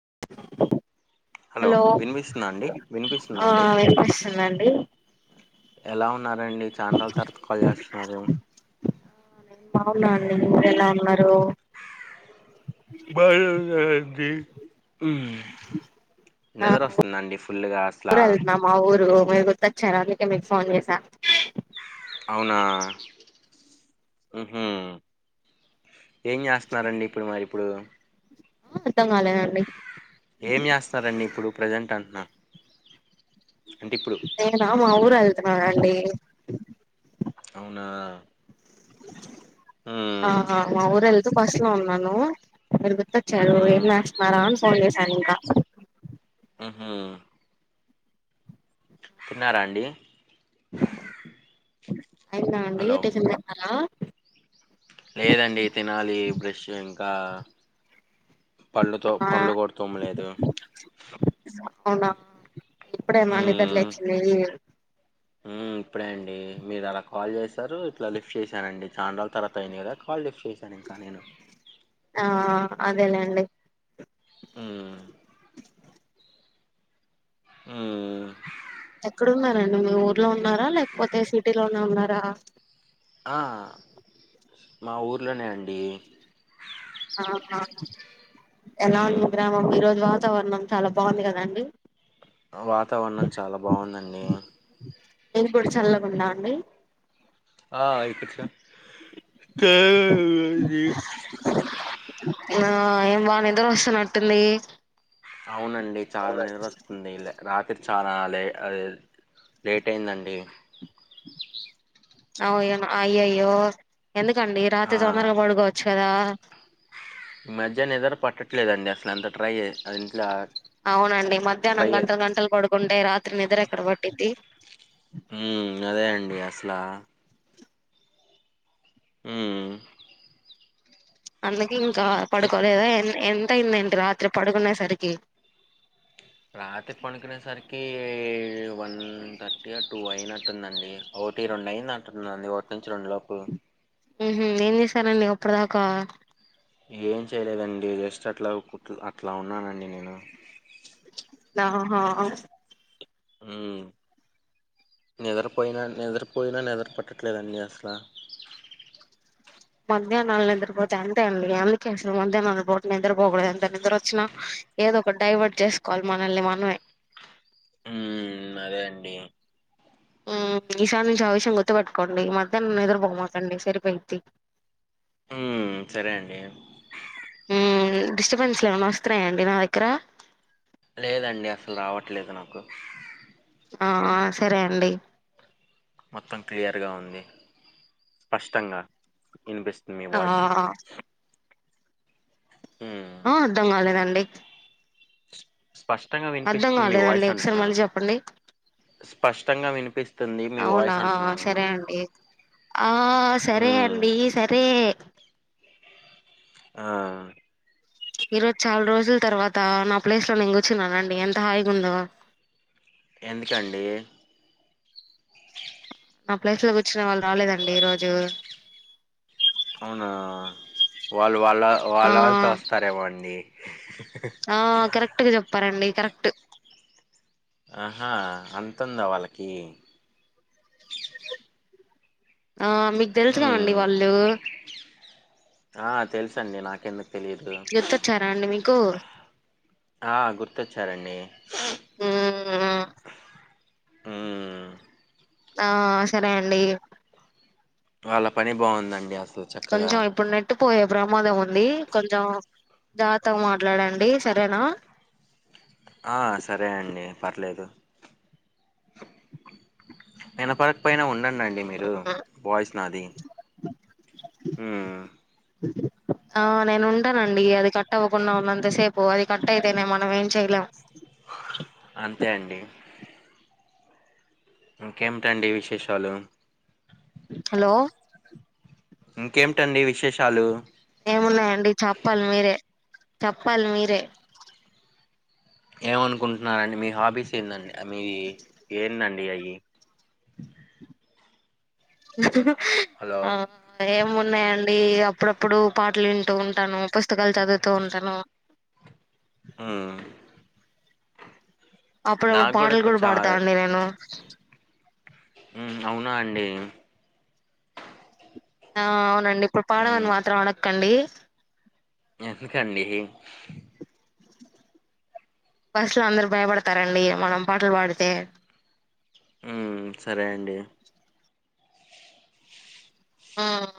[inaudible] Hello వినిపిస్తుందా అండి వినిపిస్తుందా అండి డి ఎలా ఉ న్నారండి చాన్ రోజుల తర్వాత కాల్ చేస్తున్నారు. హ నేను బాగున్నా అండి మీరు ఎలా ఉన్నారు. బానే ఉన్నానండి హు ఆ నిద్ర వస్తుందండి ఫుల్గా అసలా ఊరు వెళ్తున్నా మా ఊరు మీరు గుర్తోచారా అందుకే మీకు ఫోన్ చేసా అవున ఆ హు హు ఏం చేస్తున్నారండి ఇప్పుడు మరి ఇప్పుడు అర్థం కాలేదండి ఏం చేస్తున్నారండి ఇప్పుడు ప్రజెంట్ అం న నేనా మా ఉరెల్ ను అండి అవునా ఉమ్ ఆహా మా ఊరెల్ బస్ లో ఉన్నను. మీరు వచ్చారు ఉమ్ ఏం చేస్తున్నారా అని ఫోన్ చేశాను ఇంకా అ ఊహుం తిన్నారా అండి అయిందా అండి హలో టిఫిన్ తిన్నారా. లేదండి తినాలి బ్రష్ ఇంకా పళ్ళు తొ ఆ పళ్ళు కూడా తోమలేదు. అవునా ఇప్పుడేమ నిద్ర లేచింది. ఉం ఇప్పుడే అండి మీరు అలా కాల్ చేశారు ఇట్లా లిఫ్ట్ చేశానండి చాలా రోజుల తర్వాత అయింది కదా కాల్ లిఫ్ట్. ఈసారి నింకా నేను ఆ అదేలేండి ఉమ్ ఉమ్ ఎక్కడున్నారండి మీ ఊర్లో ఉన్నారా లేకపోతే సిటీలో నే ఉన్నారా ఆ మా ఊర్లోనే అండి. ఆహా ఎలా ఉంది హ్మ్. గ్రామం ఈరోజు వాతావరణం చాలా బాగుంది కదండి. వాతావరణం చాలా బాగుందండి. నేను కూడా చల్లగున్న అండి. ఆ ఇడిపిచ్చిన క్యాబేజీ ఆ ఏం భ నిద్ర వస్తున్నట్టుంది. అవునండి చాలా నిద్రవస్తుందిరాత్రి. చాలా లే అది లేట్ అయిందండి. అవ్ యమ్మ అయ్యోయ్యో ఎందుకండి ఆ! రాత్రి తొందరగా పడుకోవచ్చు. కదా మధ్య నిద్రపట్టట్లేదండి అసలు అంత ట్రై చేసిన ఇంట్ల. అవునండి మధ్యాహ్నం గంటలు గంటలు పడుకుంటే రాత్రి నిద్ర ఎక్కడ పట్టుది. ఉం అదే అండి అసల ఉం అ ఇంకా తిన్ పడుకోలేదా ఎమి. ఎంత అయిందేంటి రాత్రి పడుకునేసరికి. రాత్రి పడుకునే సరికి వన్ థర్టీ టూ అయినట్టుందండి ఒకటి రెండు అయింది అట్టుందండి ఒకటి నుంచి రెండు లోపు ఉంహు ఏం చేశారండి అప్పుటిదాకా ఏం చేయలేదండి జస్ట్ అట్లా కు అట్లా ఉన్నానండి నేను హ హ ఉమ్ నిద్రపోయినా నిద్రపోయినా నిద్ర పట్టట్లేదు అండి అసలు మధ్యాహ్నాలు నిద్రపోతే అంతే అండి అందుకే అసలు మధ్యాహ్నాలు పో నిద్రపోకూడదు ఎంత నిద్రొచ్చినా ఏదో ఒక డైవర్ట్ చేసుకోవాలి మనల్ని మనమే హ్మ్ అదే అండి ఈసారి నుంచి ఆ విషం గుర్తుపట్టుకోండి ఈ మధ్యహ్నం నిదుర పో మాకండి సరిపోయిద్ది. ఉమ్, సరే అండి హ్మ్ డిస్టర్బెన్స్లు ఏమైన్నా వస్తున్నాయాండి నా దగ్గర లేదండి అసలు రావట్లేదు నాకు ఆ సరే అండి మొత్తం క్లియర్గా ఉంది స్పష్టంగా ఇనిపిస్తుంది మీ ఆ వాయిస్. ఉమ్, ఆ అర్ధం కాలేదండి స్పష్టంగా అర్ధం వినిపిస్తుంది మీ కాలేదండి వాయిస్ ఒకసారి అంటున్నాను మళ్ళీ చెప్పండి స్పష్టంగా వినిపిస్తుంది మీ అవునా వాయిస్ అంటున్నాను సరే అండి ఆ సరే హ్మ్ అండి సరే ఆ ఈ రోజు చాలా రోజుల తర్వాత నా ప్లేస్ లో నేను కూర్చున్నానండి ఎంత హాయిగా ఉందొ ఎందుకండి నా ప్లేస్ లో కూర్చున్న వాళ్ళు రాలేదండి ఈ రోజు అవునా వాళ్ళు వాళ్ళ ఆ వాళ్ళ వాళ్ళతో వస్తారేమో అండి హి హి ఆ కరెక్ట్ గా చెప్పారండి కరెక్ట్ ఆహా అంత ఉందా వాళ్ళకి ఆ మీకు తెలుసు కాదండి హ్మ్ వాళ్ళు ఆ తెలుసండి నాకెందుకు తెలియదు గుర్తోచ్చారా అండి మీకు కు ఆ గుర్తొచ్చారండి ఆ ఆ హ్మ్ ఆ సరే అండి వాళ్ళ పని బాగుందండి అసలు చక్కగా కొంచం ఇప్పుడు నెటు పోయె ప్రమాదం ఉంది కొంచెం జాగ్రత్తగా మాట్లాడండి సరేనా ఆ సరే అండి పర్లేదు వినపడకపోయినా ఉండ ఉండండి మీరు వాయిస్ నాది హ్మ్ ఆ నేను ఉంటానండి అది కట్ అవ్వకుండా ఉన్నంతసేపు అది కట్ అయితేనే మనం ఏం చేయలేం అంతే అండి ఇంకేమిటండి విశేషాలు హలో ఇంకేమిటండి విశేషాలు ఏమున్నాయండి చెప్పాలి మీరే చెప్పాలి మీరే ఏమనుకుంటున్నారండి మీ హాబీస్ ఏందండి మీ ఏందండి అయి ఇ హలో ఆ ఏమున్నాయండ్ డీ అప్పుడప్పుడు పాటలు వింటూ ఉంటాను పుస్తకాలు చదువుతూ ఉంటాను ఉమ్ అప్పుడప్పుడు నాకు పాట్లు ఇప్పుడు కూడా చా పాడుతా అండి నేను ఉమ్ అవునా అండి ఆ అ నండి ఇప్పుడు పాడమని ఉమ్ మాత్రం అడక్కండి ఎందుకండి బస్లో అందరు భయపడతారండి మనం పాటలు పాడితే ఉమ్ సరే అండి ఉమ్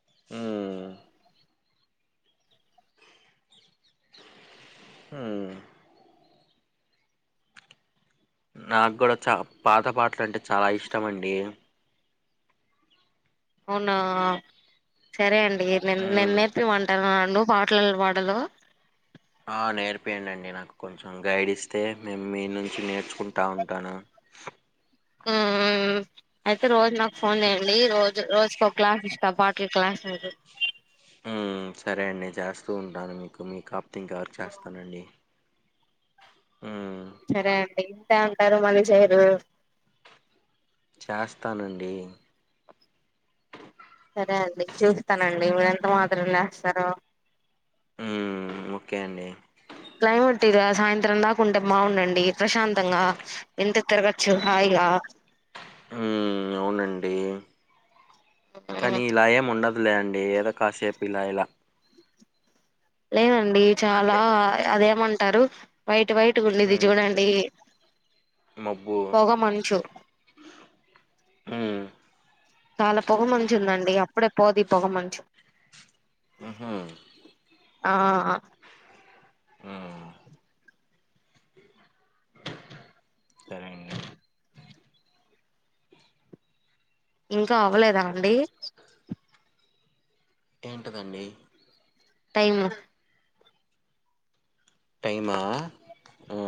ఉమ్ హుమ్ నాక్కూడా చ పాత పాట్లంటే చాలా ఇష్టమండి అవునా సరే అండి నెన్ నెన్ ఉమ్ నేర్పియ్య మంటారా నవ్వు పాట్లెలా పాడాలో ఆ నేర్పియ్యండండి నాకు కొంచెం గైడ్ ఇస్తే మేము మీ నుంచి నేర్చుకుంటా ఉంటాను ఉమ్ అయితే రోజ్ నాక్ ఫోన్ జెయ్యండి రోజు రోజుకో క్లాస్ ఇస్తా పాటల క్లాస్ అది ఉమ్ సరే అండి చేస్తూ ఉంటాను మీకు మీకప్ తింకెవరికి చేస్తానండి ఉమ్ సరే అండి చేస్తా అంటారు మళ్ళీ చెయ్యరు చాస్తానండి సరే అండి చూస్తానండి మీరెంత మాత్రం జేస్తారో ఉమ్ ఒకే అండి క్లైమేట్టిగా సాయంత్రం దాకుంటే బాగుండండి ప్రశాంతంగా ఇంతే తిరగచ్చు హాయిగా ఉమ్ అవునండి కానీ ఇలా ఏముండదు లే అండి ఏదో కాసేపిలా ఇలా లేదండి చాలా అంతే అదేమన్ టారు వైట్ వైట్ ట్టుకుండేది మ్మ్ జూడండి మబ్బు ఉమ్ చాలా పొగ మంచుందండి అప్పుడే పోదిపొగ మంచు ఉహూ ఆ ఉమ్ సరే ఇంగ [unintelligible] [inaudible] ఇంకా అవ్వలేదా అండి. ఏంటి దండి. టైము టైమా ఆ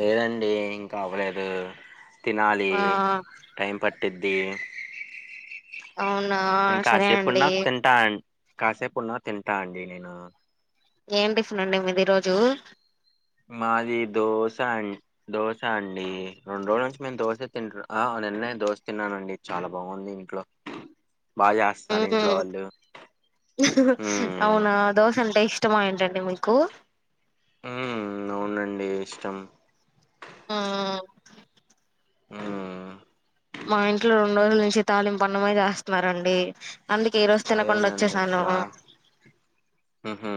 లేదండి. ఇంకా అవలేదు తినాలి ఆ టైం పట్ పెద్ది అవునా సరే ఇంకాసేపున్నా అండి తింటా అం కాసేపు ఉన్న తింటా అండి నేను. ఏంటి టిఫినండి మీది ఈరోజు మాది దోశ అం దోశ అండి. రెండు రోజుల నుంచి మేము దోశ తింటున్నా ఆ నిన్నా నే దోశ తిన్నానండి. చాలా బాగుంది ఇంట్లో బాగా చేస్తున్నారు. ఇంట్లో వాళ్ళు ఉమ్ ఇష్టమ ఏంటండి మీకు ఉమ్ అవునండి. ఇష్టం ఆ [unintelligible] మా ఇంట్లో రెండు రోజుల నుంచి తాళింపన్నమే చేస్తున్నారండి. అందుకే ఈ రోజు తినకుండా అదేనండి వచ్చేసాను. అసలా ఊహూ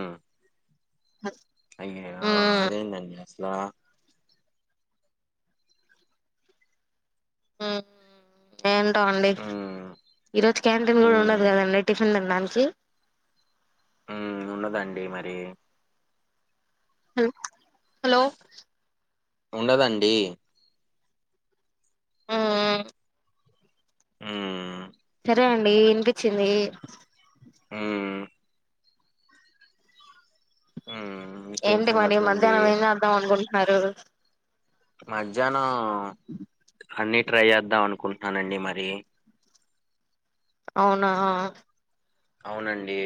అస్ అయ్యో అదేందండి. అసలు [unintelligible] ఏంటో అండి. మ్మ్ ఈరోజు క్యాంటీన్ కూడా మ్మ్ ఉండట్లేదండి టిఫిన్ తిం మంకీ హ్మ్ ఉండదండీ మరి హలో హలో ఉండదండి. మ్మ్ హ్మ్ సరే అండి వినిపించింది. ఉమ్ మ్మ్ ఇంకేం ఎంటి మరి సంగతులండి మధ్యాహ్నం ఏం చేద్దాం. అనుకుంటున్నా న్నారుర్ [unintelligible] మధ్యాహ్నం అన్ని ట్రై చేద్దాం అనుకుంటున్నానండి. మరి అవునా అవునండి.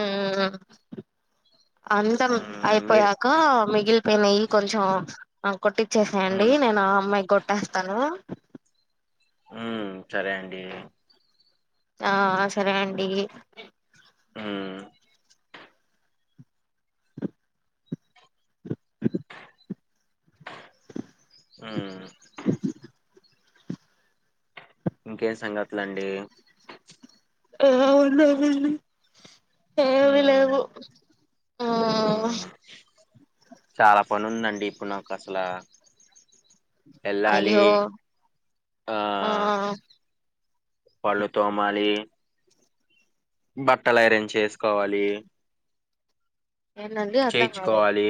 ఉమ్ [unintelligible] అందం హ్మ్ మీరు అయిపోయాక మీ మిగిల్ పోయినవి కొంచెం కొట్టిచ్చేసేయండి. హ్మ్ నేను ఆ అమ్మాయి కొట్ కొట్టేస్తాను. ఉమ్ సరే అండి. ఆ అ సరే అండి ఆ ఆ ఇంకేం సంగతుల అండి ఏం ఉనయండి ఏమి హ్మ్ లేవు ఆ హ్మ్ చాలా పని ఉందండి ఇప్పుడు నాకు అసలు అయ్యో ఆ పళ్ళు తోమాలి బట్టలు ఐరెన్ చేసుకోవాలి ఏంటండి అర్థం కాలేదు చేయించుకోవాలి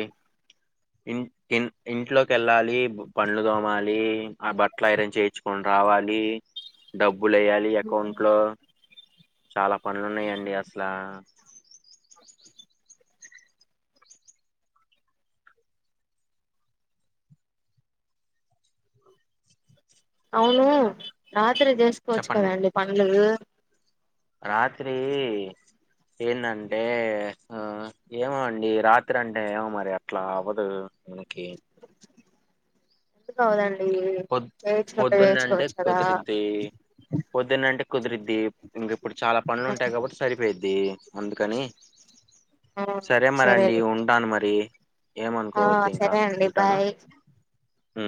ఇ ఇంట్లోకి వెళ్ళాలి పండ్లు దోమాలి ఆ బట్టల ఐరన్ చేయించు కొని రావాలి డబ్బు బులేయాలి అకౌంట్ లో చాలా పనులున్నాయండి అసలా అవును నా రాత్రి చేసుకోవచ్చు చెప్పండి కదండి పనులు రాత్రి ఏంటంటే ఏమో అండి రాత్రి అంటే ఏమో మరి అట్లా అవ్వదు మనకి ఎందుకువదండి పొద్ పొద్దున్న అంటే కదా కుదిరిద్ది పొద్దున్న అంటే పొద్దున్నే అంటే కుదిరింది ఇంక ఇప్పుడు చాలా పనులు ఉంటాయి కాబట్టి సరిపోయిద్ది అందుకని ఆ సరే మర అండి సరేలేండి ఉంటాను మరి ఆ సరే అండి బాయ్ హ